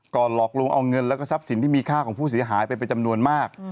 หลอกลวงเอาเงินแล้วก็ทรัพย์สินที่มีค่าของผู้เสียหายไปเป็นจำนวนมาก